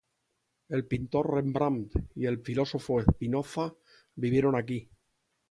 El pintor Rembrandt y el filósofo Spinoza vivieron aquí.